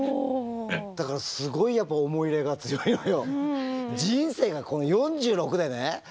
だからすごいやっぱ思い入れが強いのよ。